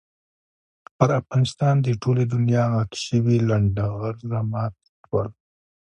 پر افغانستان د ټولې دنیا عاق شوي لنډه غر را مات شول.